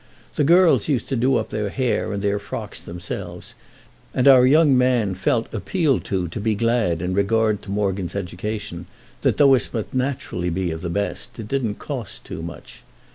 The girls used to do up their hair and their frocks themselves, and our young man felt appealed to to be glad, in regard to Morgan's education, that, though it must naturally be of the best, it didn't cost too much.